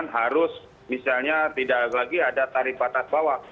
harus misalnya tidak lagi ada tarif batas bawah